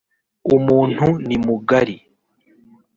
umuntu ni mugari